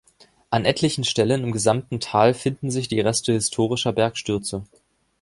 An etlichen Stellen im gesamten Tal finden sich die Reste historischer Bergstürze.